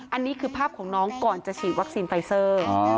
อันนี้คือภาพของน้องก่อนจะฉีดวัคซีนไฟเซอร์